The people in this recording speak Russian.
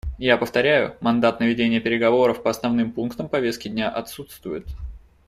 Я повторяю: мандат на ведение переговоров по основным пунктам повестки дня отсутствует.